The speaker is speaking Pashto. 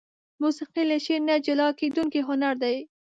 موسيقي له شعر نه جلاکيدونکى هنر دى.